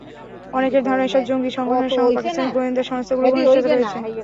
অনেকের ধারণা, এসব জঙ্গি সংগঠনের সঙ্গে পাকিস্তানের গোয়েন্দা সংস্থাগুলোর ঘনিষ্ঠতা রয়েছে।